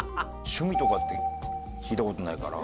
趣味とかって聞いた事ないから。